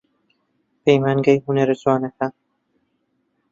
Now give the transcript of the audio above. پەیمانگەی هونەرە جوانەکان